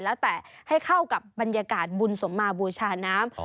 แล้วแต่ให้เข้ากับบรรยากาศบุญสมมาบูชาน้ำ